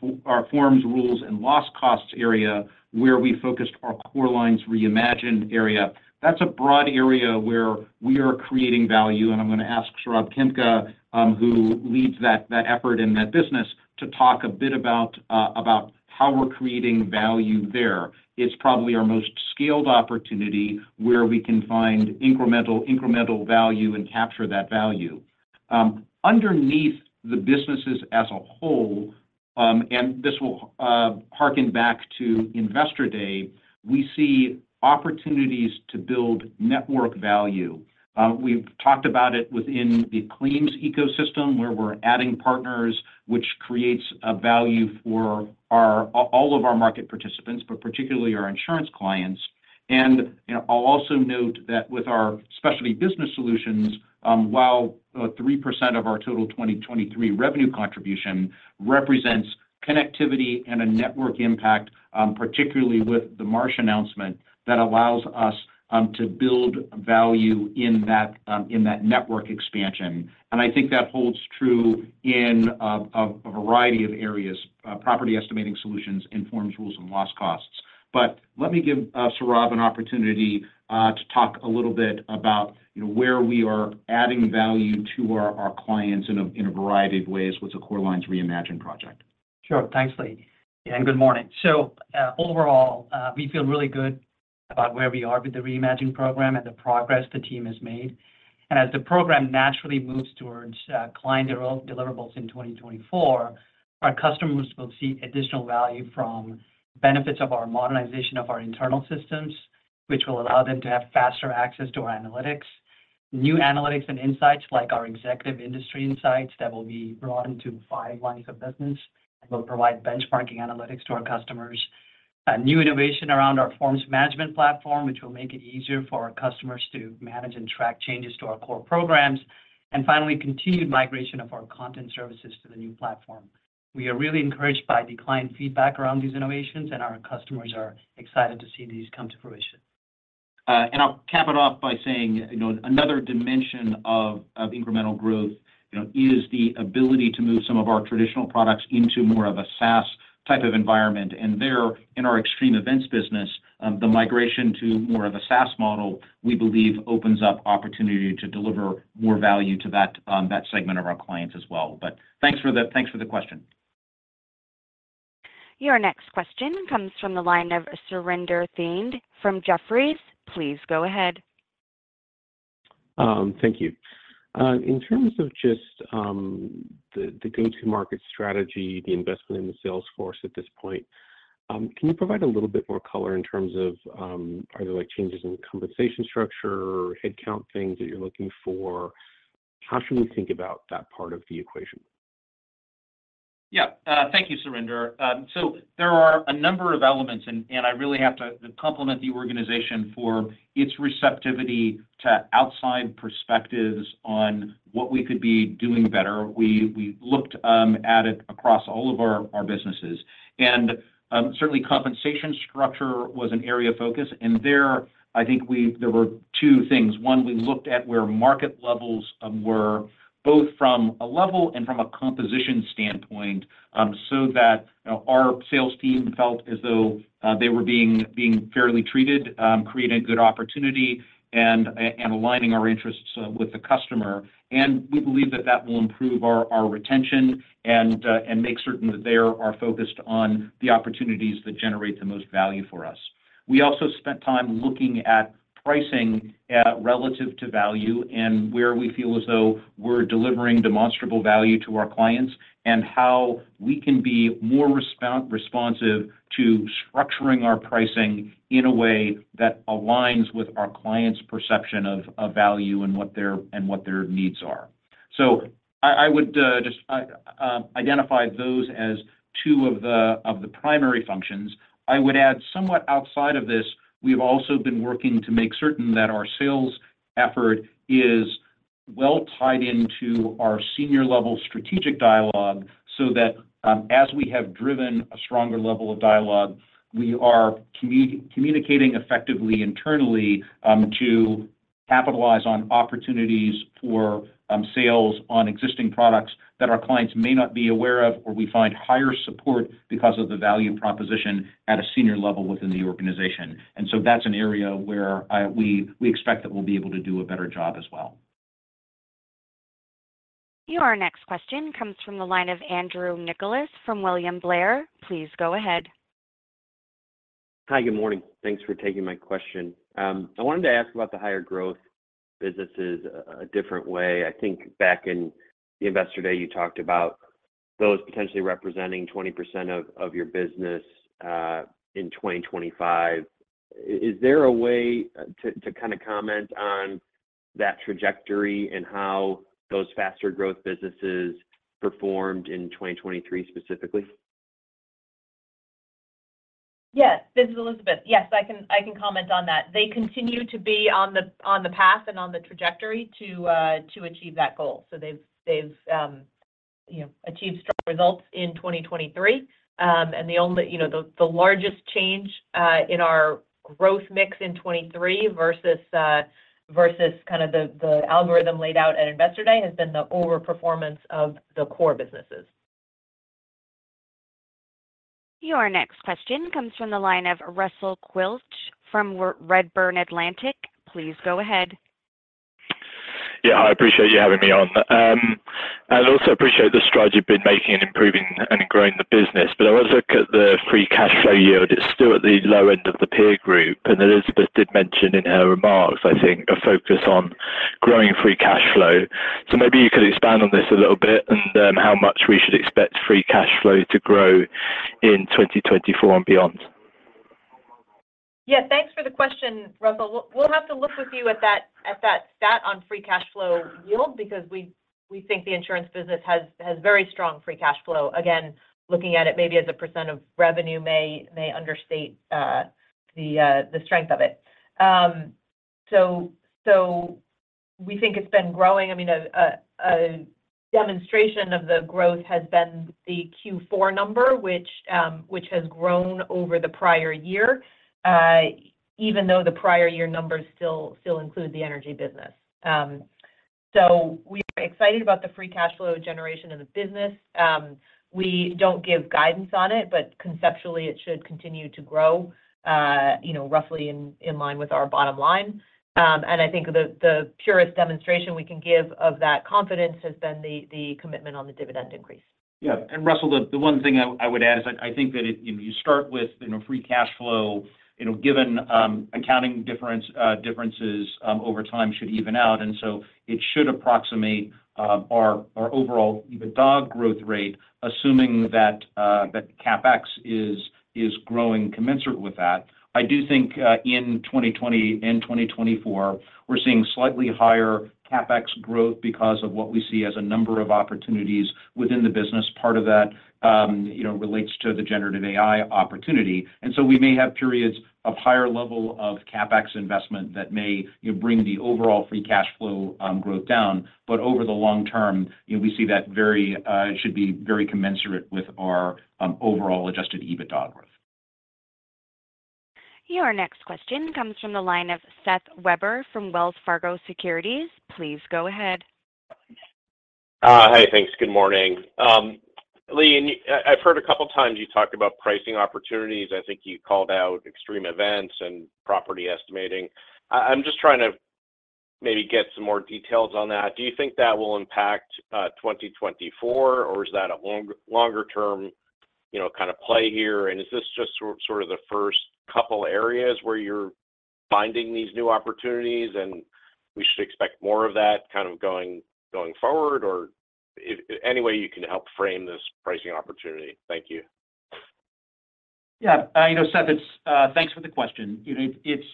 forms, rules, and loss costs area, where we focused our Core Lines Reimagine area, that's a broad area where we are creating value. And I'm going to ask Saurabh Khemka, who leads that effort in that business, to talk a bit about how we're creating value there. It's probably our most scaled opportunity where we can find incremental value and capture that value. Underneath the businesses as a whole and this will harken back to Investor Day. We see opportunities to build network value. We've talked about it within the claims ecosystem where we're adding partners, which creates value for all of our market participants, but particularly our insurance clients. I'll also note that with our specialty business solutions, while 3% of our total 2023 revenue contribution represents connectivity and a network impact, particularly with the March announcement that allows us to build value in that network expansion. I think that holds true in a variety of areas: property estimating solutions, informs rules, and loss costs. Let me give Saurabh an opportunity to talk a little bit about where we are adding value to our clients in a variety of ways with the Core Lines Reimagine project. Sure. Thanks, Lee. And good morning. So overall, we feel really good about where we are with the Reimagine program and the progress the team has made. And as the program naturally moves towards client deliverables in 2024, our customers will see additional value from benefits of our modernization of our internal systems, which will allow them to have faster access to our analytics, new analytics and insights like our executive industry insights that will be broadened to five lines of business and will provide benchmarking analytics to our customers, new innovation around our forms management platform, which will make it easier for our customers to manage and track changes to our core programs, and finally, continued migration of our content services to the new platform. We are really encouraged by the client feedback around these innovations, and our customers are excited to see these come to fruition. I'll cap it off by saying another dimension of incremental growth is the ability to move some of our traditional products into more of a SaaS type of environment. There, in our extreme events business, the migration to more of a SaaS model, we believe, opens up opportunity to deliver more value to that segment of our clients as well. Thanks for the question. Your next question comes from the line of Surinder Thind from Jefferies. Please go ahead. Thank you. In terms of just the go-to-market strategy, the investment in the sales force at this point, can you provide a little bit more color in terms of either changes in compensation structure or headcount things that you're looking for? How should we think about that part of the equation? Yeah. Thank you, Surrender. So there are a number of elements, and I really have to compliment the organization for its receptivity to outside perspectives on what we could be doing better. We looked at it across all of our businesses. Certainly, compensation structure was an area of focus. There, I think there were two things. One, we looked at where market levels were, both from a level and from a composition standpoint, so that our sales team felt as though they were being fairly treated, creating a good opportunity, and aligning our interests with the customer. We believe that that will improve our retention and make certain that they are focused on the opportunities that generate the most value for us. We also spent time looking at pricing relative to value and where we feel as though we're delivering demonstrable value to our clients and how we can be more responsive to structuring our pricing in a way that aligns with our clients' perception of value and what their needs are. So I would just identify those as two of the primary functions. I would add, somewhat outside of this, we've also been working to make certain that our sales effort is well tied into our senior-level strategic dialogue so that as we have driven a stronger level of dialogue, we are communicating effectively internally to capitalize on opportunities for sales on existing products that our clients may not be aware of or we find higher support because of the value proposition at a senior level within the organization. That's an area where we expect that we'll be able to do a better job as well. Your next question comes from the line of Andrew Nicholas from William Blair. Please go ahead. Hi. Good morning. Thanks for taking my question. I wanted to ask about the higher growth businesses a different way. I think back in Investor Day, you talked about those potentially representing 20% of your business in 2025. Is there a way to kind of comment on that trajectory and how those faster growth businesses performed in 2023 specifically? Yes. This is Elizabeth. Yes, I can comment on that. They continue to be on the path and on the trajectory to achieve that goal. So they've achieved strong results in 2023. And the largest change in our growth mix in 2023 versus kind of the algorithm laid out at Investor Day has been the overperformance of the core businesses. Your next question comes from the line of Russell Quelch from Redburn Atlantic. Please go ahead. Yeah. I appreciate you having me on. I also appreciate the strides you've been making in improving and growing the business. But I want to look at the free cash flow yield. It's still at the low end of the peer group. Elizabeth did mention in her remarks, I think, a focus on growing free cash flow. So maybe you could expand on this a little bit and how much we should expect free cash flow to grow in 2024 and beyond. Yeah. Thanks for the question, Russell. We'll have to look with you at that stat on free cash flow yield because we think the insurance business has very strong free cash flow. Again, looking at it maybe as a % of revenue may understate the strength of it. So we think it's been growing. I mean, a demonstration of the growth has been the Q4 number, which has grown over the prior year, even though the prior year numbers still include the energy business. So we are excited about the free cash flow generation in the business. We don't give guidance on it, but conceptually, it should continue to grow roughly in line with our bottom line. And I think the purest demonstration we can give of that confidence has been the commitment on the dividend increase. Yeah. And Russell, the one thing I would add is I think that you start with free cash flow. Given accounting differences over time, it should even out. And so it should approximate our overall revenue growth rate, assuming that CapEx is growing commensurate with that. I do think in 2020 and 2024, we're seeing slightly higher CapEx growth because of what we see as a number of opportunities within the business. Part of that relates to the generative AI opportunity. And so we may have periods of higher level of CapEx investment that may bring the overall free cash flow growth down. But over the long term, we see that it should be very commensurate with our overall Adjusted EBITDA growth. Your next question comes from the line of Seth Webber from Wells Fargo Securities. Please go ahead. Hi. Thanks. Good morning. Lee, I've heard a couple of times you talked about pricing opportunities. I think you called out extreme events and property estimating. I'm just trying to maybe get some more details on that. Do you think that will impact 2024, or is that a longer-term kind of play here? And is this just sort of the first couple of areas where you're finding these new opportunities, and we should expect more of that kind of going forward, or any way you can help frame this pricing opportunity? Thank you. Yeah. Seth, thanks for the question. It's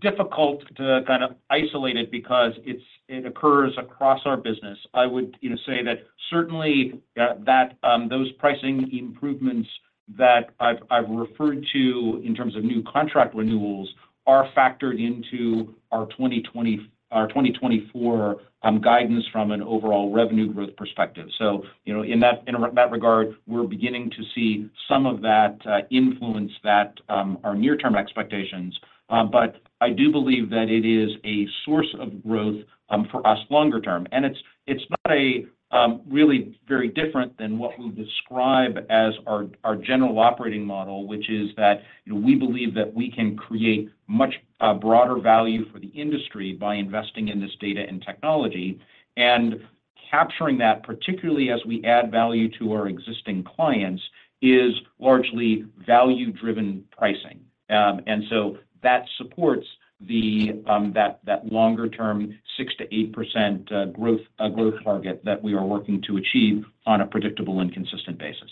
difficult to kind of isolate it because it occurs across our business. I would say that certainly, those pricing improvements that I've referred to in terms of new contract renewals are factored into our 2024 guidance from an overall revenue growth perspective. So in that regard, we're beginning to see some of that influence our near-term expectations. But I do believe that it is a source of growth for us longer term. And it's not really very different than what we describe as our general operating model, which is that we believe that we can create much broader value for the industry by investing in this data and technology. And capturing that, particularly as we add value to our existing clients, is largely value-driven pricing. And so that supports that longer-term 6%-8% growth target that we are working to achieve on a predictable and consistent basis.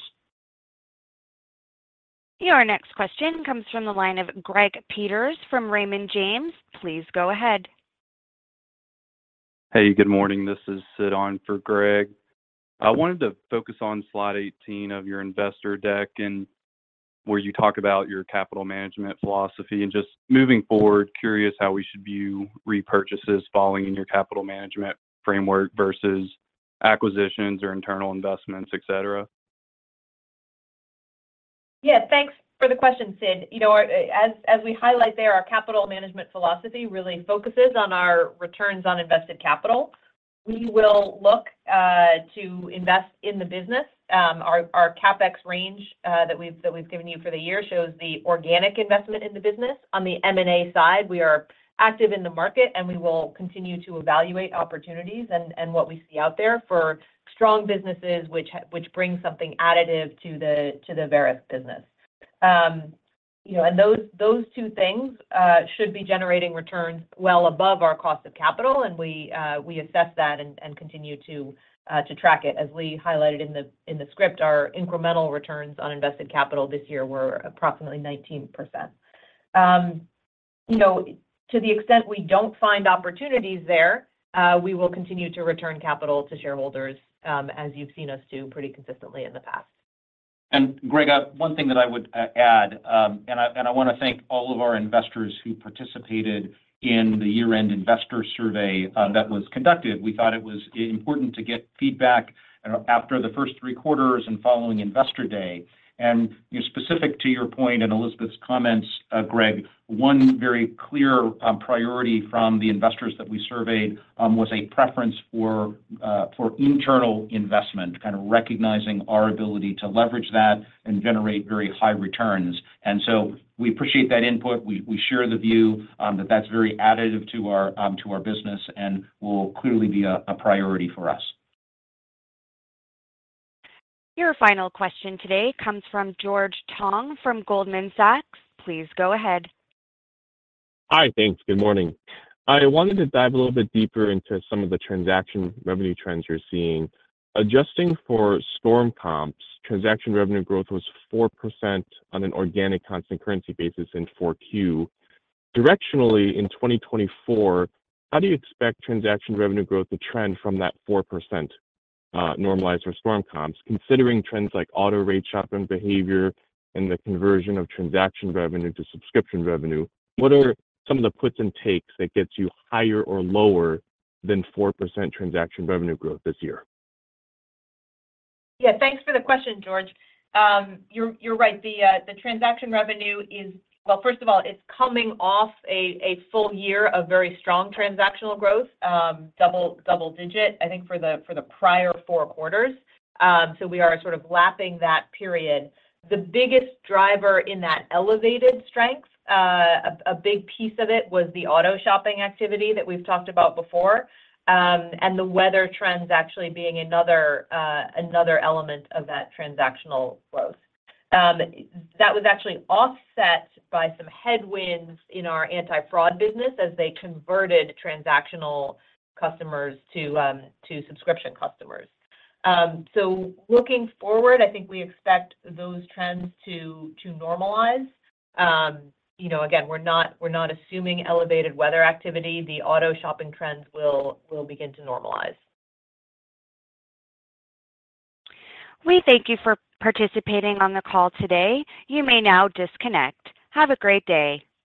Your next question comes from the line of Greg Peters from Raymond James. Please go ahead. Hey. Good morning. This is Sid on for Greg Peters. I wanted to focus on slide 18 of your investor deck where you talk about your capital management philosophy. Just moving forward, curious how we should view repurchases falling in your capital management framework versus acquisitions or internal investments, etc. Yeah. Thanks for the question, Sid. As we highlight there, our capital management philosophy really focuses on our returns on invested capital. We will look to invest in the business. Our CapEx range that we've given you for the year shows the organic investment in the business. On the M&A side, we are active in the market, and we will continue to evaluate opportunities and what we see out there for strong businesses, which brings something additive to the Verisk business. And those two things should be generating returns well above our cost of capital, and we assess that and continue to track it. As Lee highlighted in the script, our incremental returns on invested capital this year were approximately 19%. To the extent we don't find opportunities there, we will continue to return capital to shareholders, as you've seen us do pretty consistently in the past. Greg, one thing that I would add, and I want to thank all of our investors who participated in the year-end investor survey that was conducted. We thought it was important to get feedback after the first three quarters and following Investor Day. Specific to your point and Elizabeth's comments, Greg, one very clear priority from the investors that we surveyed was a preference for internal investment, kind of recognizing our ability to leverage that and generate very high returns. So we appreciate that input. We share the view that that's very additive to our business and will clearly be a priority for us. Your final question today comes from George Tong from Goldman Sachs. Please go ahead. Hi. Thanks. Good morning. I wanted to dive a little bit deeper into some of the transaction revenue trends you're seeing. Adjusting for Storm Comps, transaction revenue growth was 4% on an organic constant currency basis in 4Q. Directionally, in 2024, how do you expect transaction revenue growth to trend from that 4% normalized for Storm Comps, considering trends like auto rate shopping behavior and the conversion of transaction revenue to subscription revenue? What are some of the puts and takes that get you higher or lower than 4% transaction revenue growth this year? Yeah. Thanks for the question, George. You're right. The transaction revenue is well, first of all, it's coming off a full year of very strong transactional growth, double-digit, I think, for the prior four quarters. So we are sort of lapping that period. The biggest driver in that elevated strength, a big piece of it, was the auto shopping activity that we've talked about before and the weather trends actually being another element of that transactional growth. That was actually offset by some headwinds in our anti-fraud business as they converted transactional customers to subscription customers. So looking forward, I think we expect those trends to normalize. Again, we're not assuming elevated weather activity. The auto shopping trends will begin to normalize. Lee, thank you for participating on the call today. You may now disconnect. Have a great day.